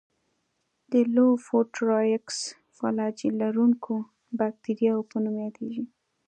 د لوفوټرایکس فلاجیل لرونکو باکتریاوو په نوم یادیږي.